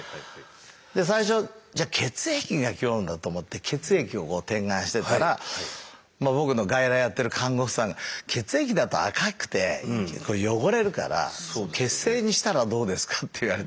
で最初「じゃ血液が効くんだ」と思って血液を点眼してたら僕の外来やってる看護婦さんが「血液だと赤くて汚れるから血清にしたらどうですか？」って言われて。